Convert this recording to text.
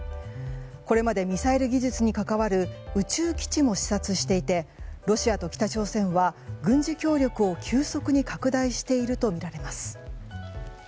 これまでミサイル技術に関わる宇宙基地も視察していてロシアと北朝鮮は軍事協力を急速に拡大しているとみられます。